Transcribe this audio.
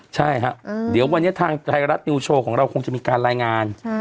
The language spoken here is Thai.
ใช่ครับเดี๋ยววันนี้ทางไทยรัฐนิวโชว์ของเราคงจะมีการรายงาน